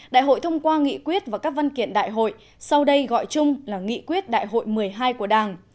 đại hội thông qua nghị quyết và các văn kiện đại hội sau đây gọi chung là nghị quyết đại hội một mươi hai của đảng